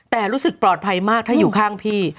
แต่รู้สึกปลอดภัยมากถ้าอยู่ข้างพี่